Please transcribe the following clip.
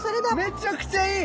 めちゃくちゃいい！